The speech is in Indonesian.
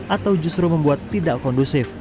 atau justru membuat tidak kondusif